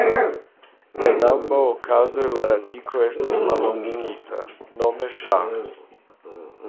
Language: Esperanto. En ambaŭ okazoj la radiko estis mallongigita, nome ŝah.